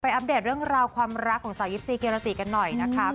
ไปอัพเดทเริ่มรอกลับความรักของสาว๒๔ครีมละตีกันหน่อยนะคะ